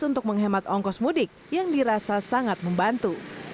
untuk menghemat ongkos mudik yang dirasa sangat membantu